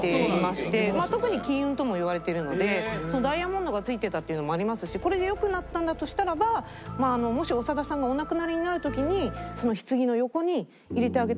特に金運ともいわれているのでダイヤモンドが付いてたっていうのもありますしこれで良くなったんだとしたらばもし長田さんがお亡くなりになる時にひつぎの横に入れてあげた方がいいと思います。